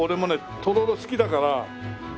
とろろ好きだから。